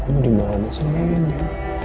aku dimalukan semuanya